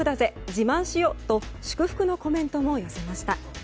自慢しよ。と祝福のコメントを寄せました。